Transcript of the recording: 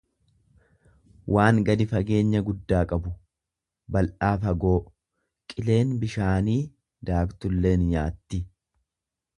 waan gadi fageenya guddaa qabu, bal'aa fagoo; Qileen bishaanii daaktullee ni nyaatti.